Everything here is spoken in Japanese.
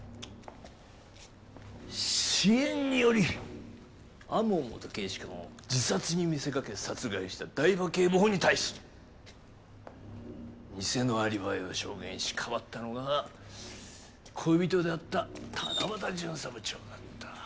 私怨により天羽元警視監を自殺に見せかけ殺害した台場警部補に対し偽のアリバイを証言しかばったのが恋人であった七夕巡査部長だった。